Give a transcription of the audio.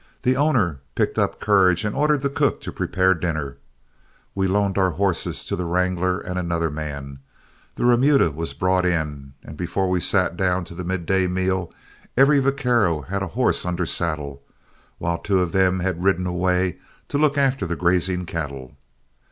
The owner picked up courage and ordered the cook to prepare dinner. We loaned our horses to the wrangler and another man, the remuda was brought in, and before we sat down to the midday meal, every vaquero had a horse under saddle, while two of them had ridden away to look after the grazing cattle.